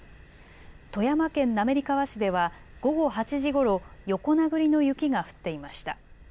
富山県滑川市では午後８時ごろ横殴りの雪が降っていました。